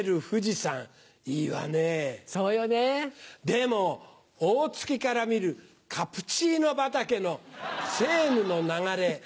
でも大月から見るカプチーノ畑のセーヌの流れ。